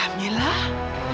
a informasi yang dimiliki di diva